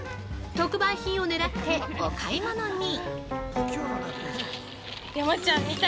特売品を狙って、お買い物に！